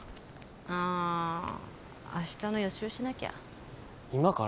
あ明日の予習しなきゃ今から？